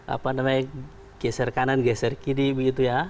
apa namanya geser kanan geser kiri begitu ya